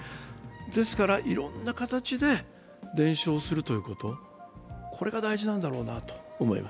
ですからいろんな形で伝承するということ、これが大事なんだろうなと思います。